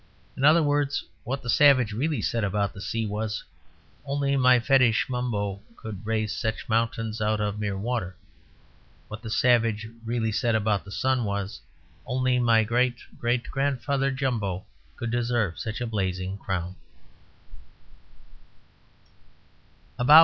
In other words, what the savage really said about the sea was, "Only my fetish Mumbo could raise such mountains out of mere water." What the savage really said about the sun was, "Only my great great grandfather Jumbo could deserve such a blazing crown."